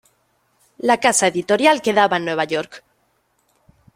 La casa editorial quedaba en Nueva York.